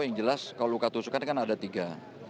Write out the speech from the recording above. yang jelas kalau luka tusukan kan ada tiga